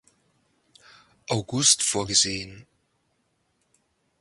August vorgesehen.